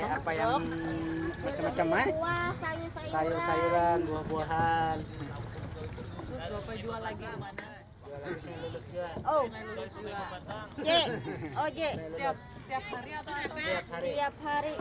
apa ini beli apa